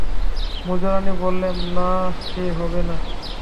মেজোরানী বললেন, না, সে হবে না।